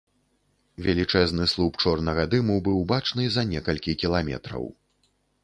Велічэзны слуп чорнага дыму быў бачны за некалькі кіламетраў.